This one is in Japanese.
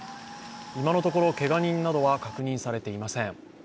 今のところ、けが人などは確認されていません。